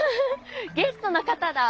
ゲストの方だ！